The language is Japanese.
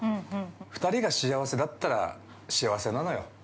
２人が幸せだったら幸せなのよ。